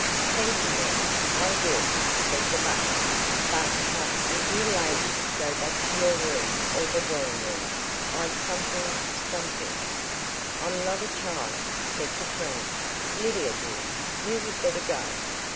"Thank you ma'am, I will," said the butler; "but but would you ladies go back to your room or the drawing room, I've something something " "I'm not a child," said Katrine. "Lydia, dear, you had better go."